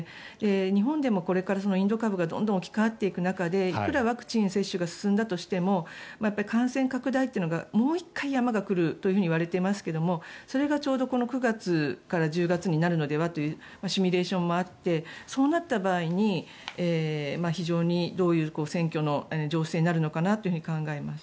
日本でもこれからインド株がどんどん置き換わっていく中でいくらワクチン接種が進んだとしても感染拡大というのがもう１回、山が来るといわれていますけれどそれがちょうどこの９月から１０月になるのではというシミュレーションもあってそうなった場合に非常にどういう選挙の情勢になるのかなと考えます。